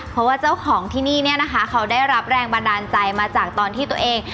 เพราะว่าเจ้าของที่นี่เนี่ยนะคะเขาได้รับแรงบันดาลใจมาจากตอนที่ตัวเอง